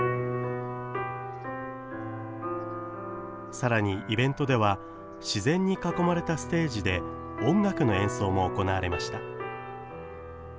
さらに、イベントでは自然に囲まれたステージで音楽の演奏も行われました。